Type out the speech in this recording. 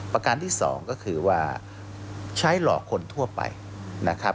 ประการที่สองก็คือว่าใช้หลอกคนทั่วไปนะครับ